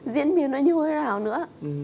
diễn biến nó như thế nào nữa